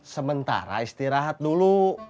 sementara istirahat dulu